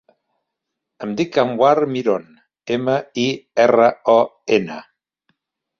Em dic Anwar Miron: ema, i, erra, o, ena.